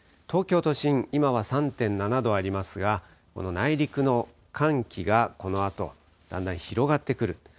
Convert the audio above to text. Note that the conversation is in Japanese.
東京都心、今は３．７度ありますが、この内陸の寒気が、このあとだんだん広がってくる。